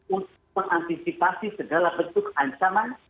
untuk mengantisipasi segala bentuk ancaman